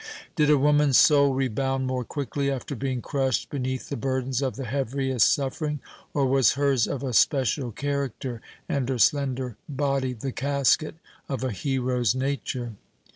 Did a woman's soul rebound more quickly after being crushed beneath the burdens of the heaviest suffering, or was hers of a special character, and her slender body the casket of a hero's nature?